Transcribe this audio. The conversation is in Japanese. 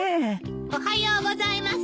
おはようございます。